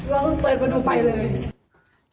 เราก็เปิดประตูไปเลย